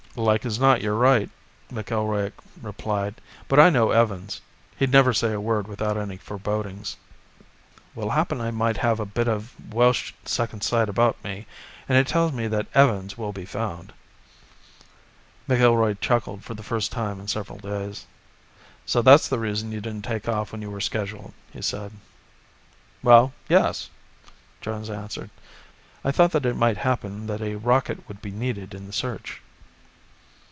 "Like as not, you're right," McIlroy replied, "but if I know Evans, he'd never say a word about any forebodings." "Well, happen I might have a bit of Welsh second sight about me, and it tells me that Evans will be found." McIlroy chuckled for the first time in several days. "So that's the reason you didn't take off when you were scheduled," he said. "Well, yes," Jones answered. "I thought that it might happen that a rocket would be needed in the search."